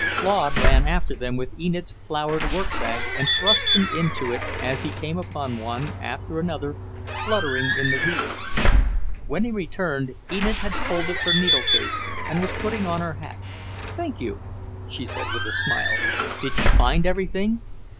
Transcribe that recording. Claude ran after them with Enid's flowered workbag and thrust them into it as he came upon one after another, fluttering in the weeds. When he returned, Enid had folded her needle case and was putting on her hat. "Thank you," she said with a smile. "Did you find everything?"